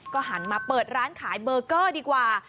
หันมาเปิดร้านขายเบอร์เกอร์ดีกว่า